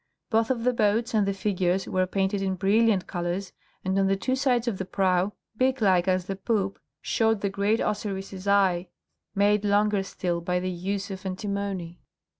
Both the boats and the figures were painted in brilliant colours, and on the two sides of the prow, beak like as the poop, showed the great Osiris' eye, made longer still by the use of antimony.